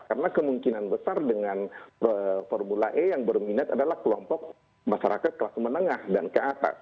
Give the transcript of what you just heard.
karena kemungkinan besar dengan formula e yang berminat adalah kelompok masyarakat kelas menengah dan ke atas